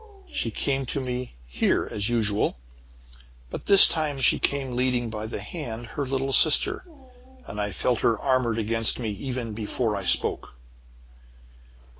"She came to me here, as usual. But this time she came leading by the hand her little sister, and I felt her armored against me even before I spoke.